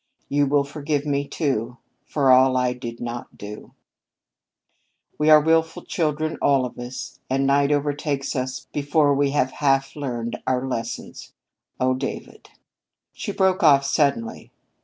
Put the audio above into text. You will forgive me, too, for all I did not do. "We are willful children, all of us, and night over takes us before we have half learned our lessons. "Oh, David " She broke off suddenly.